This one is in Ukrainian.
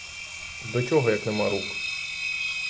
До чого, як нема рук?